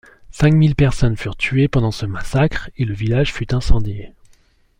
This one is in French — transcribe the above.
Cinq mille personnes furent tuées pendant ce massacre, et le village fut incendié.